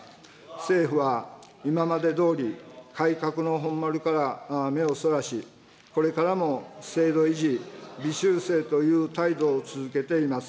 政府は今までどおり、改革の本丸から目をそらし、これからも制度維持、微修正という態度を続けています。